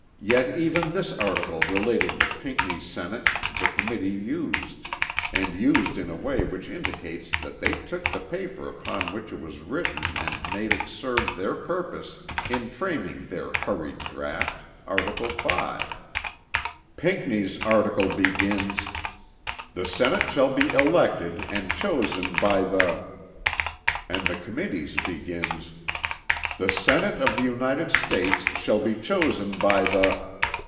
Yet even this article relating to Pinckney's senate, the Committee used, and used in a way which indicates that they took the paper upon which it was written and made it serve their purpose in framing their hurried draught. Art. V. Pinckney's article begins: "The senate shall be elected, and chosen by the;" and the Committee's begins: "The senate of the United States shall be chosen by the."